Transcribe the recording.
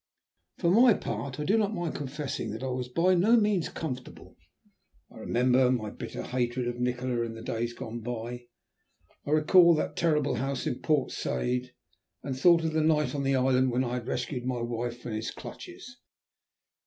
For my part I do not mind confessing that I was by no means comfortable. I remembered my bitter hatred of Nikola in days gone by. I recalled that terrible house in Port Said, and thought of the night on the island when I had rescued my wife from his clutches.